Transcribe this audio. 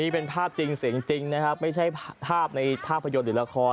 ตอนนี้บรรยากาศหน้าร้านนะคะ